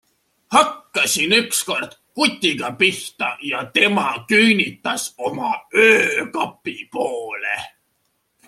Hakkasin ükskord kutiga pihta ja tema küünitas oma öökapi poole.